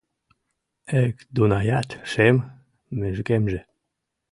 Эк, дунаят, шем межгемже